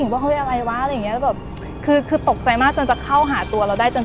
ว่าเฮ้ยอะไรวะอะไรอย่างเงี้ยแบบคือคือตกใจมากจนจะเข้าหาตัวเราได้จน